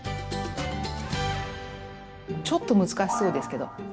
ちょっと難しそうですけど全然。